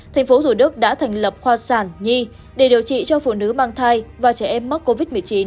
tp thủ đức đã thành lập khoa sản nhi để điều trị cho phụ nữ mang thai và trẻ em mắc covid một mươi chín